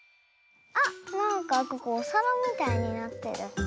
あっなんかここおさらみたいになってる。